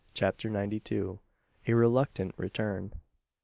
CHAPTER NINETY TWO. A RELUCTANT RETURN.